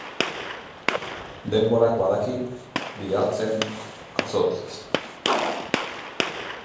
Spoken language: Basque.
Denborak badaki bihartzen atzotik.